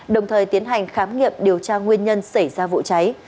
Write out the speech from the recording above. đồng thời tiến hành khám nghiệm điều tra nguyên nhân xảy ra vụ cháy